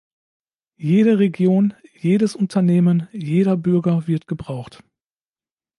Jede Region, jedes Unternehmen, jeder Bürger wird gebraucht.